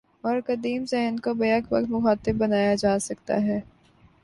اور قدیم ذہن کو بیک وقت مخاطب بنا سکتا ہے۔